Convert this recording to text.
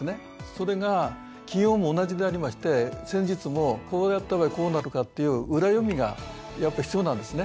それが企業も同じでありまして戦術もこうやった場合こうなるかっていう裏読みがやっぱ必要なんですね。